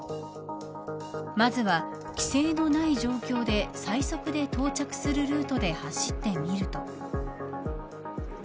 まずは、規制のない状況で最速で到着するルートで走ってみると。